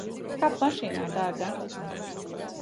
Kāp mašīnā, dārgā.